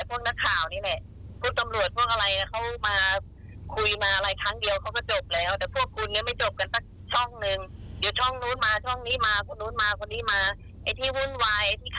มีปัญหาเค้าเพราะก็ให้พวกคุณนี่แหละ